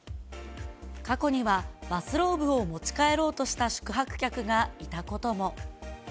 過去には、バスローブを持ち帰ろうとした宿泊客がいたことも。